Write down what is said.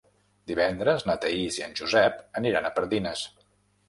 Divendres na Thaís i en Josep aniran a Pardines.